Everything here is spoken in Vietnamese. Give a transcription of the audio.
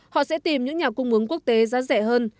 họ sẽ tìm những nhà cung ứng quốc tế giá rẻ hơn